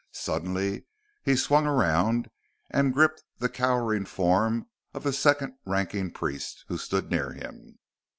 Suddenly he swung around and gripped the cowering form of the second ranking priest, who stood near him.